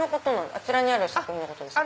あちらにある作品のことですか？